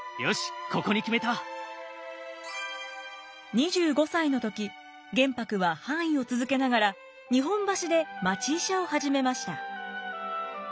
２５歳の時玄白は藩医を続けながら日本橋で町医者を始めました。